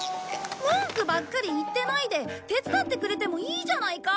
文句ばっかり言ってないで手伝ってくれてもいいじゃないか！